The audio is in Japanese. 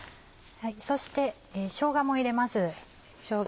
そしてしょうがも入れます。